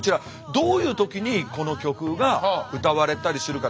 どういう時にこの曲が歌われたりするかって。